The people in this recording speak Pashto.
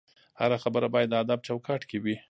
هره خبره باید د ادب چوکاټ کې وي